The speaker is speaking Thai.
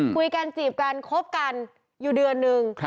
คุยกันจีบกันคบกันอยู่เดือนนึง